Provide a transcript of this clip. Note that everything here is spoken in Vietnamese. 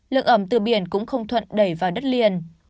lượng ẩm từ biển cũng không thuận đẩy vào đất liền